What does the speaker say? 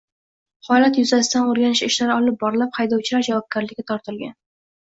Holat yuzasidan o‘rganish ishlari olib borilib, haydovchilar javobgarlikka tortilgan